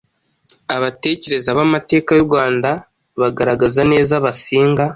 Abatekereza b’amateka y’u Rwanda, bagaragaza neza abasinga